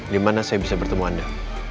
di mana saya bisa bertemu anda